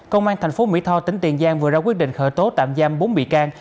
công an tp mỹ tho tỉnh tiền giang vừa ra quyết định khởi tố tạm giam bốn bị can